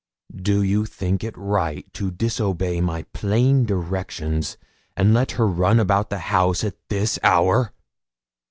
'Do you think it right to disobey my plain directions, and let her run about the house at this hour?'